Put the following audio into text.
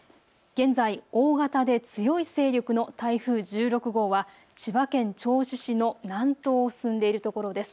現在、大型で強い勢力の台風１６号は千葉県銚子市の南東を進んでいるところです。